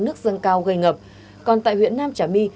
nước dâng cao gây ngập còn tại huyện nam trà my